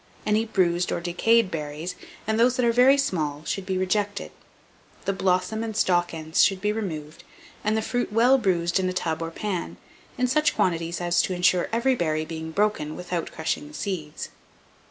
Any bruised or decayed berries, and those that are very small, should be rejected. The blossom and stalk ends should be removed, and the fruit well bruised in a tub or pan, in such quantities as to insure each berry being broken without crushing the seeds.